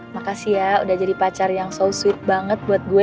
makasih ya udah jadi pacar yang solsuit banget buat gue